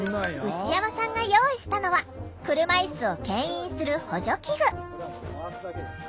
牛山さんが用意したのは車いすをけん引する補助器具。